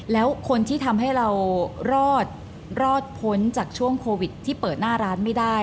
แล้วคนที่ทำให้เรารอดรอดพ้นจากช่วงโควิดที่เปิดหน้าร้านไม่ได้